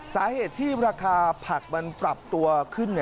สาเหตุที่ราคาผักมันปรับตัวขึ้น